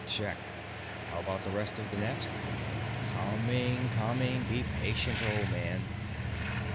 "Check. How about the rest of the net?" "Coming, coming. Be patient, old man."